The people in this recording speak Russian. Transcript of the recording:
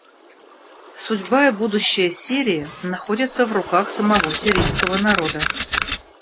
Судьба и будущее Сирии находятся в руках самого сирийского народа.